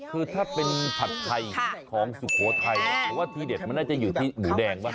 คือถ้าเป็นผัดไทยของสุโขทัยผมว่าที่เด็ดมันน่าจะอยู่ที่หมูแดงบ้าง